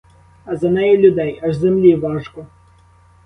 А за нею людей — аж землі важко!